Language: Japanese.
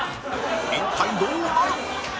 一体どうなる？